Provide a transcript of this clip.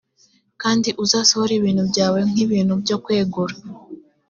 kandi uzasohore ibintu byawe nk ibintu byo kwegura